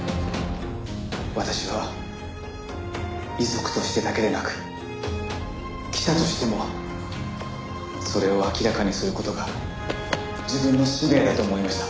「私は遺族としてだけでなく記者としてもそれを明らかにする事が自分の使命だと思いました」